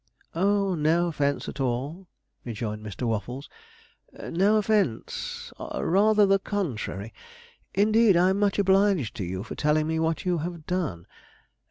'Oh, no offence at all,' rejoined Mr. Waffles, 'no offence rather the contrary. Indeed, I'm much obliged to you for telling me what you have done.